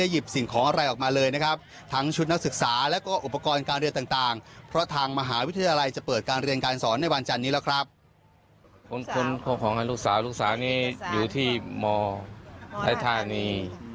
คนของลูกสาวลูกสาวนี้อยู่ที่มทัยธานี